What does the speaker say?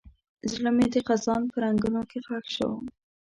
زړه مې د خزان په رنګونو کې ښخ شو.